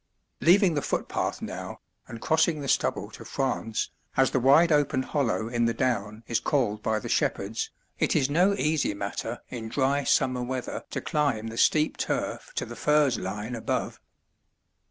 Leaving the footpath now, and crossing the stubble to "France," as the wide open hollow in the down is called by the shepherds, it is no easy matter in dry summer weather to climb the steep turf to the furze line above.